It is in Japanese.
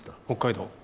北海道。